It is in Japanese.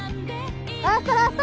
ラストラスト！